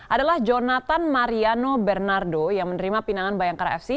adalah jonathan mariano bernardo yang menerima pinangan bayangkara fc